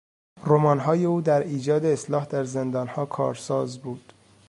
رمانهای او در ایجاد اصلاح در زندانها کارساز بود.